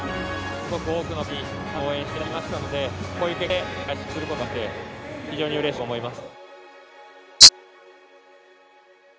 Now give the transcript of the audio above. すごく多くの方に応援していただきましたのでこういう結果でお返しすることができて非常にうれしく思います。